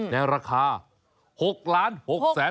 ในราคา๖๖ล้านบาทมาแล้ว